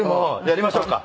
やりましょうか。